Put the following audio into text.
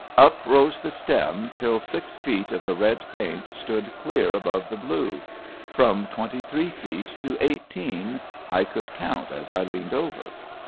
Up rose the stem till six feet of the red paint stood clear above the blue — from twenty three feet to eighteen I could count as I leaned over.